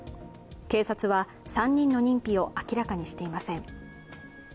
警察は、３人の認否を明らかにしていません。